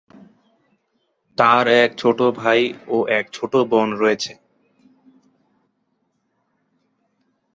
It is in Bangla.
তার এক ছোট ভাই ও এক ছোট বোন রয়েছে।